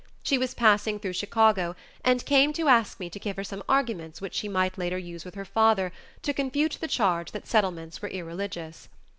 She was passing through Chicago and came to ask me to give her some arguments which she might later use with her father to confute the charge that Settlements were irreligious.